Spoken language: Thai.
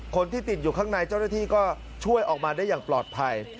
คนที่ติดอยู่ข้างในเจ้าหน้าที่ก็ช่วยออกมาได้อย่างปลอดภัย